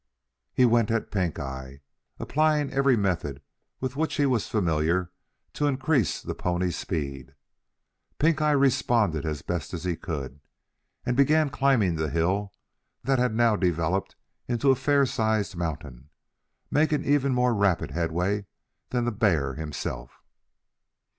He went at Pink eye, applying every method with which he was familiar to increase the pony's speed. Pink eye responded as best he could, and began climbing the hill that had now developed into a fair sized mountain, making even more rapid headway than the bear himself.